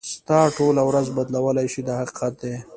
ستا ټوله ورځ بدلولای شي دا حقیقت دی.